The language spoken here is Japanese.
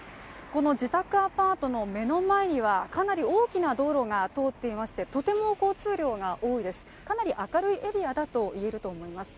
この自宅アパートの目の前にはかなり大きな道路が通っていまして、とても交通量が多いです